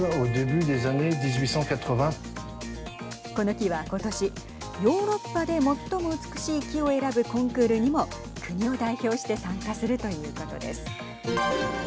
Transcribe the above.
この木は今年ヨーロッパで最も美しい木を選ぶコンクールにも国を代表して参加するということです。